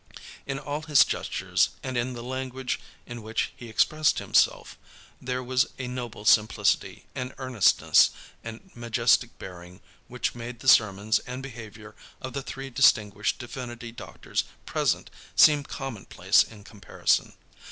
In all his gestures, and in the language in which he expressed himself, there was a noble simplicity and earnestness and majestic bearing which made the sermons and behavior of the three distinguished divinity doctors present seem commonplace in comparison.